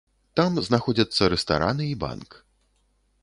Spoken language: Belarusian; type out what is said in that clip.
Там знаходзяцца рэстараны і банк.